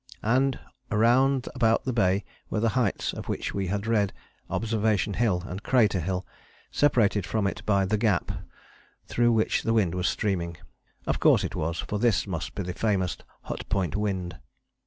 And round about the Bay were the Heights of which we had read, Observation Hill, and Crater Hill separated from it by The Gap through which the wind was streaming; of course it was, for this must be the famous Hut Point wind.